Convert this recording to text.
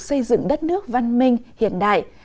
xây dựng đất nước văn minh hiện đại